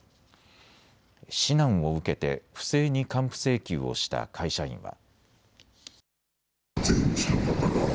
指南を受けて不正に還付請求をした会社員は。